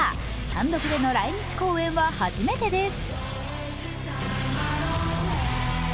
単独での来日公演は初めてです。